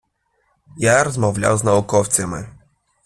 Я розмовляв з науковцями.